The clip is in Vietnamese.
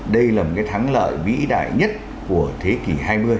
đây là một thắng lợi vĩ đại nhất của thế kỷ hai mươi